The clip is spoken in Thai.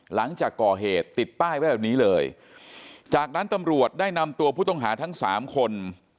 หลังจากก่อเหตุติดป้ายไว้แบบนี้เลยจากนั้นตำรวจได้นำตัวผู้ต้องหาทั้งสามคน